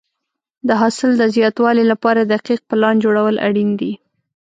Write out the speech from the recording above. د حاصل د زیاتوالي لپاره دقیق پلان جوړول اړین دي.